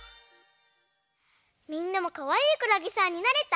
みんなもかわいいくらげさんになれた？